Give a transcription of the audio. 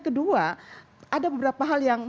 kedua ada beberapa hal yang